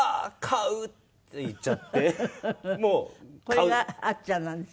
これがあっちゃんなんですか？